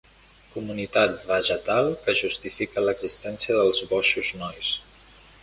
Comunitat vegetal que justifica l'existència dels Boixos Nois.